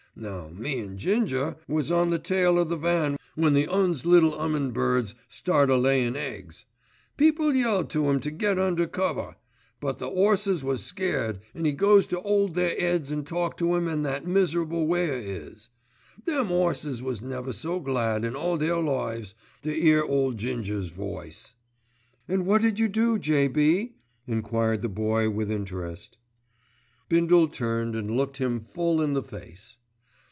Now me an' Ginger was on the tail o' the van when the 'Uns' little 'ummin' birds started a layin' eggs. People yelled to 'im to get under cover: but the 'orses was scared, an' 'e goes to 'old their 'eads an' talk to 'em in that miserable way of 'is. Them 'orses was never so glad in all their lives to 'ear ole Ginger's voice." "And what did you do, J.B.?" enquired the Boy with interest. Bindle turned and looked him full in the face.